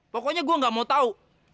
pokoknya gua gak mau tau